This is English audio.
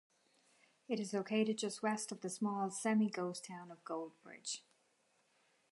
It is located just west of the small semi-ghost town of Gold Bridge.